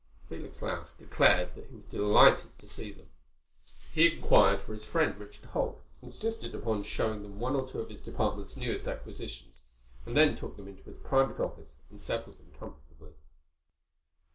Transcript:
Felix Lausch declared that he was delighted to see them. He inquired for his friend, Richard Holt, insisted upon showing them one or two of his department's newest acquisitions, and then took them into his private office and settled them comfortably.